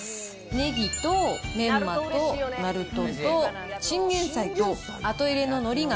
ねぎと、メンマとナルトとチンゲン菜と、後入れののりが。